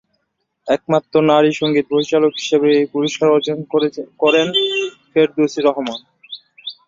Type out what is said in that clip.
একমাত্র নারী সঙ্গীত পরিচালক হিসেবে এই পুরস্কার অর্জন করেন ফেরদৌসী রহমান।